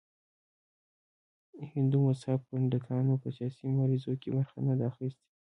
هندو مذهب پنډتانو په سیاسي مبارزو کې برخه نه ده اخیستې.